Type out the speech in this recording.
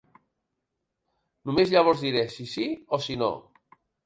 Només llavors diré si sí o si no.